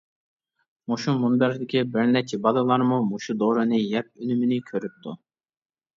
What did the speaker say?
مۇشۇ مۇنبەردىكى بىرنەچچە بالىلارمۇ مۇشۇ دورىنى يەپ ئۈنۈمىنى كۆرۈپتۇ.